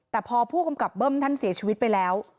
แต่พอผู้กำกับเบิ้มท่านเสียชีวิตไปแล้ว